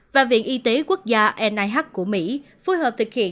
và viện y tế quốc gia nah của mỹ phối hợp thực hiện